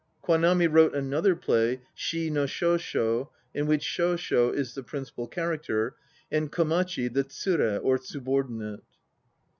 Kwanami wrote another play, Shii no Shosho? in which Shosho is the principal character and Komachi the tsure or subordinate.